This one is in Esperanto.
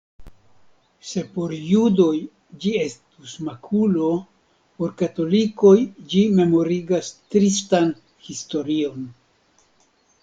Se por judoj ĝi estus makulo, por katolikoj ĝi memorigas tristan historion.